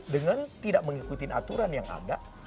dengan tidak mengikuti aturan yang ada